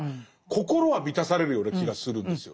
心は満たされるような気がするんですよ。